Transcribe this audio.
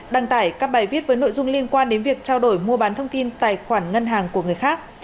đăng tải các bài viết với nội dung liên quan đến việc trao đổi mua bán thông tin tài khoản ngân hàng của người khác